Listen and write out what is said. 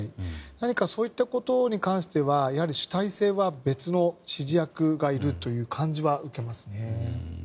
何かそういったことに関しては主体性は別の指示役がいるという感じは受けますね。